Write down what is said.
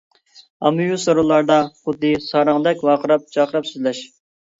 ئاممىۋى سورۇنلاردا خۇددى ساراڭدەك ۋارقىراپ-جارقىراپ سۆزلەش.